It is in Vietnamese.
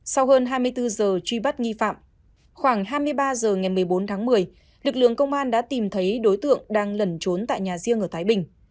sau hơn hai mươi bốn giờ truy bắt nghi phạm khoảng hai mươi ba h ngày một mươi bốn tháng một mươi lực lượng công an đã tìm thấy đối tượng đang lẩn trốn tại nhà riêng ở thái bình